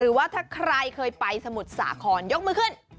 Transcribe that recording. ว่าถ้าใครเคยไปสมุทรสาครยกมือขึ้น